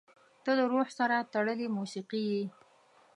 • ته د روح سره تړلې موسیقي یې.